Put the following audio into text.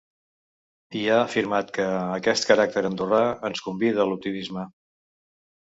I ha afirmat que “aquest caràcter andorrà ens convida a l’optimisme”.